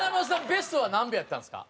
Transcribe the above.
ベストは何秒やったんですか？